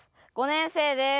５年生です。